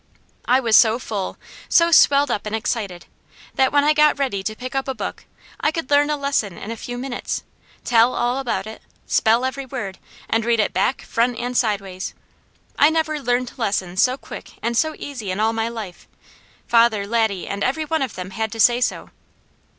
I was so full, so swelled up and excited, that when I got ready to pick up a book, I could learn a lesson in a few minutes, tell all about it, spell every word, and read it back, front, and sideways. I never learned lessons so quick and so easy in all my life; father, Laddie, and every one of them had to say so.